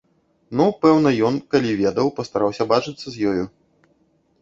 Ну, пэўна, ён, калі ведаў, пастараўся бачыцца з ёю.